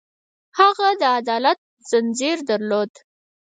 هغه د عدالت ځنځیر درلود.